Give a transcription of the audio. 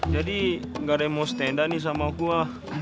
jadi gak ada yang mau stand up nih sama gua